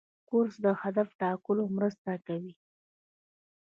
کورس د هدف ټاکلو مرسته کوي.